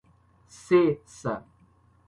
Cessa